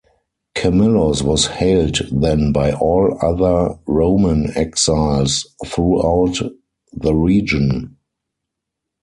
Camillus was hailed then by all other Roman exiles throughout the region.